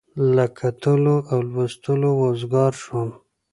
له کتلو او لوستلو وزګار شوم.